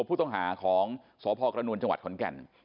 ผู้ต้องหาของสพกระนวลจังหวัดขอนแก่น